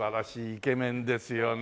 イケメンですよね。